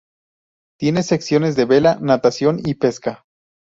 Tiene secciones de vela, natación y pesca.